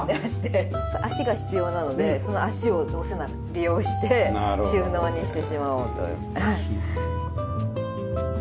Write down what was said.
脚が必要なのでその脚をどうせなら利用して収納にしてしまおうとはい。